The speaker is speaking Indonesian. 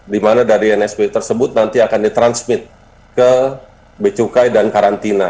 di mana dari nsb tersebut nanti akan ditransmit ke becukai dan karantina